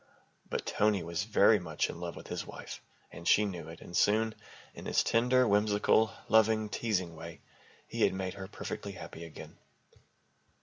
But Tony was very much in love with his wife and she knew it and soon, in his tender, whimsical, loving, teasing way, he had made her perfectly happy again.